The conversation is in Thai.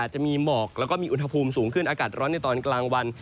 จะมีหมอกแล้วก็มีอุณหภูมิสูงขึ้นอากาศร้อนในตอนกลางวัน